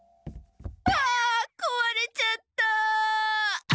あこわれちゃった！